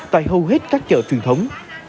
tại hầu hết các chợ truyền thống